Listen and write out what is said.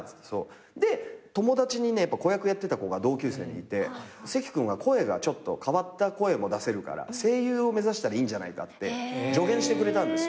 で友達に子役やってた子が同級生にいて「関君はちょっと変わった声も出せるから声優を目指したらいいんじゃないか」って助言してくれたんですよ。